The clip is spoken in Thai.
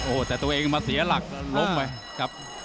โอ้โหแต่ตัวเองมาเสียหลักลบไปครับ